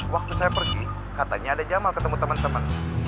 waktu saya pergi katanya ada jamal ketemu teman teman